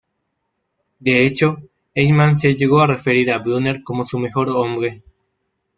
De hecho, Eichmann se llegó a referir a Brunner como su "mejor hombre".